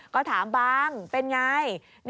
ก็ถามบังเป็นอย่างไร